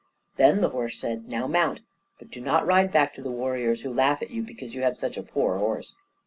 Then the horse said, "Now mount, but do not ride back to the warriors, who laugh at you because you have such a poor horse.